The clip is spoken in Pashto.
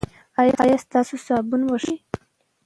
ایا ستاسو صابون به ښه وي؟